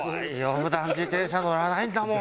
普段自転車乗らないんだもん。